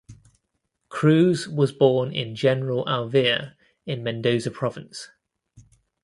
Cruz was born in General Alvear in Mendoza Province.